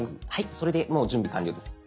それでもう準備完了です。